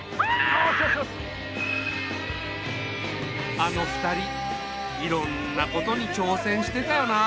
あの２人いろんなことにちょうせんしてたよなあ。